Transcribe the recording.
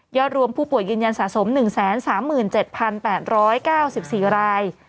รวมผู้ป่วยยืนยันสะสม๑๓๗๘๙๔ราย